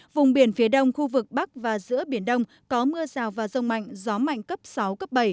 vùng biển phía đông khu vực bắc và giữa biển đông có mưa rào và rông mạnh gió mạnh cấp sáu cấp bảy